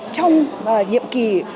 trong nhiệm kỳ